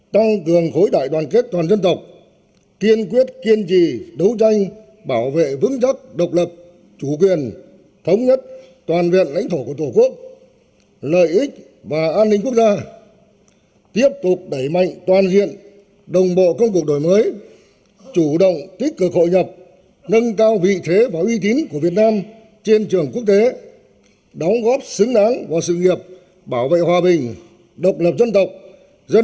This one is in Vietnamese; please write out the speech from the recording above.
tăng cường khối đại đoàn kết toàn dân tộc kiên quyết kiên trì đấu tranh bảo vệ vững chắc độc lập chủ quyền thống nhất toàn vẹn lãnh thổ của tổ quốc lợi ích và an ninh quốc gia